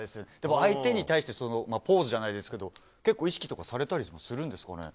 相手に対してポーズじゃないですけど意識されたりするんですか？